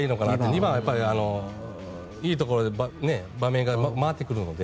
２番はいいところで場面が回ってくるので。